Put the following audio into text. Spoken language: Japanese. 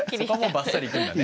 ばっさりいくんだね。